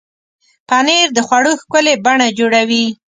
پنېر د خوړو ښکلې بڼه جوړوي.